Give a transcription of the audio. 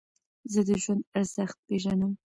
زه د ژوند ارزښت پېژنم.